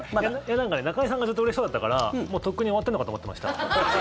中居さんがずっとうれしそうだったからもうとっくに終わってるのかと思ってました。